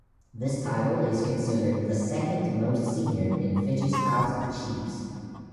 This title is considered the second most senior in Fiji's House of Chiefs.